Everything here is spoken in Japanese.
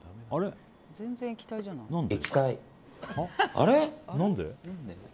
あれ？